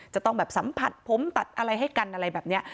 จะต้องแบบสัมผัสผมตัดอะไรให้กันอะไรแบบนี้